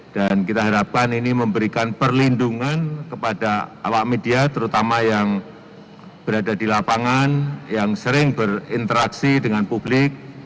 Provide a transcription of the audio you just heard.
dan kita harapkan ini memberikan perlindungan kepada awak media terutama yang berada di lapangan yang sering berinteraksi dengan publik